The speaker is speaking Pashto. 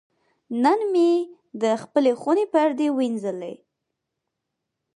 نن مې د خپلې خونې پردې وینځلې.